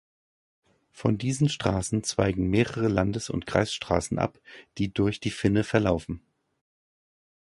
Von diesen Straßen zweigen mehrere Landes- und Kreisstraßen ab, die durch die Finne verlaufen.